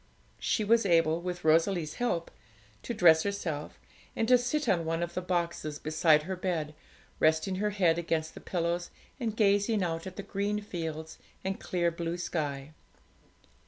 She was able, with Rosalie's help, to dress herself and to sit on one of the boxes beside her bed, resting her head against the pillows, and gazing out at the green fields and clear blue sky.